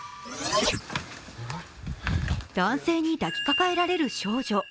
男性に抱きかかえられる少女。